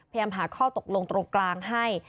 พยายามหาข้อตกลงตรงกลางให้